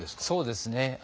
そうですね。